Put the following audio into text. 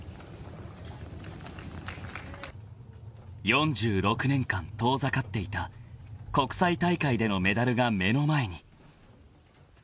［４６年間遠ざかっていた国際大会でのメダルが目の前に］